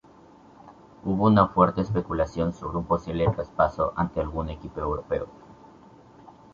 Hubo una fuerte especulación sobre un posible traspaso ante algún equipo europeo.